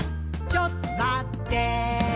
ちょっとまってぇー」